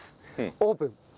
オープン。